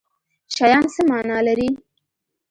شیان څه معنی لري